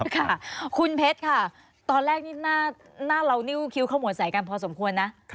ค่ะคุณเพชรค่ะตอนแรกนี่หน้าเรานิ้วคิ้วเข้าหัวใสกันพอสมควรนะ